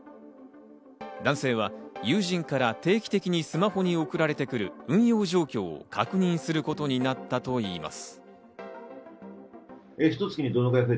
男性は友人から定期的にスマホに送られてくる運用状況を確認することになったといいます。